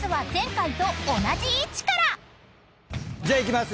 じゃあいきます。